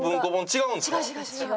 違う違う違う。